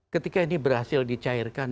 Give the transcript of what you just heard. ketika ini berhasil dicairkan